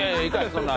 そんな。